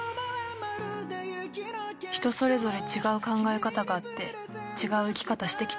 「人それぞれ違う考え方があって違う生き方してきたんだから」